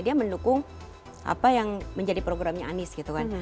dia mendukung apa yang menjadi programnya anis gitu kan